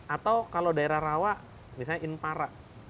atau kalau daerah rawa misalnya inpara